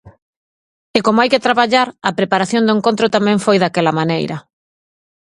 E, como hai que traballar, a preparación do encontro tamén foi daquela maneira...